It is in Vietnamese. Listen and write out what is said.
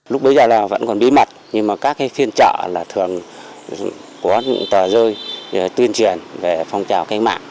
lúc bây giờ là vẫn còn bí mật nhưng mà các phiên chợ là thường có những tờ rơi tuyên truyền về phong trào cách mạng